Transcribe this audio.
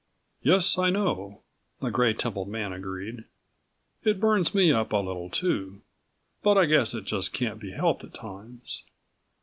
"Yes, I know," the gray templed man agreed. "It burns me up a little too. But I guess it just can't be helped at times.